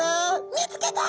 見つけた！」